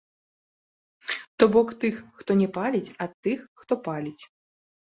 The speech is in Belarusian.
То бок тых, хто не паліць, ад тых, хто паліць.